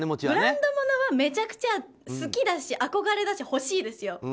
ブランド物はめちゃくちゃ好きだし憧れだし欲しいですよ。